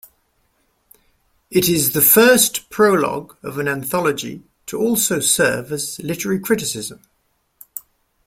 It is the first prologue of an anthology to also serve as literary criticism.